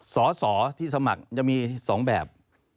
สอสอที่สมัครจะมี๒แบบ